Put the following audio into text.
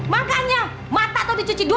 makanya mata tuh dicuci dulu